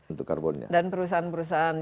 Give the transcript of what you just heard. untuk karbonnya dan perusahaan perusahaan